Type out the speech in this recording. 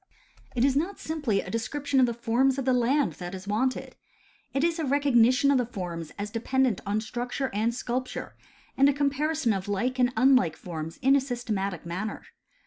It is not simply a description of the forms of the land that is wanted. It is a recognition of the forms as dependent on struc ture and sculpture, and a comparison of like and unlike forms in a systematic manner.